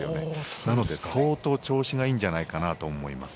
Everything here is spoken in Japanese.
なので相当、調子がいいんじゃないかなと思います。